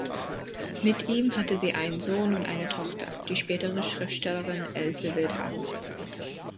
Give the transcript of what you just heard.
Mit ihm hatte sie einen Sohn und eine Tochter, die spätere Schriftstellerin Else Wildhagen.